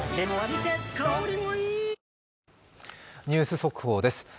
ニュース速報です。